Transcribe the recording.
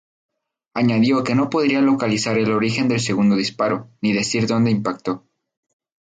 Añadió que no podría localizar el origen del segundo disparo, ni decir dónde impactó.